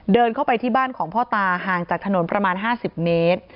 เดินเข้าไปที่บ้านของพ่อตาห่างจากถนนประมาณ๕๐เมตร